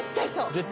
「絶対？